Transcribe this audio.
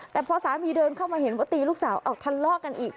แต่พอสามีเดินเข้ามาเห็นว่าตีลูกสาวเอาทะเลาะกันอีก